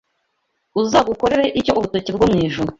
Uzagukorere icyo urutoki rwo mwijuru